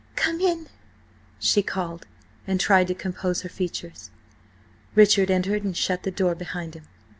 "Come in!" she called, and tried to compose her features. Richard entered and shut the door behind him.